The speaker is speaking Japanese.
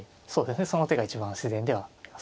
その手が一番自然ではありますね。